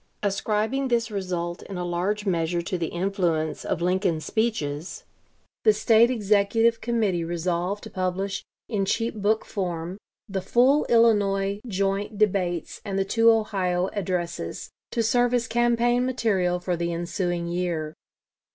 Ascribing this result in a large measure to the influence of Lincoln's speeches, the State Executive Committee resolved to publish in cheap book form the full Illinois joint debates and the two Ohio addresses, to serve as campaign material for the ensuing year.